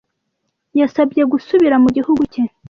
Yasabye gusubira mu gihugu cye.